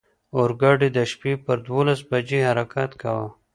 اورګاډی د شپې پر دولس بجې حرکت کاوه.